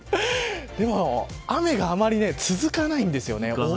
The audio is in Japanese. でも雨があまり続かないんですよね。